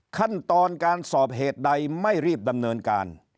ขั้นตอนการสอบเหตุใดไม่รีบดำเนินการ